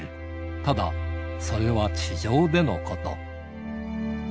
ただ、それは地上でのこと。